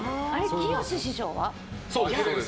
きよし師匠は？